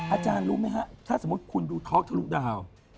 อาจารย์รู้ไหมฮะถ้าสมมุติคุณดูท็อกทะลุดาว